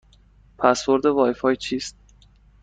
پسورد وای فای چیست؟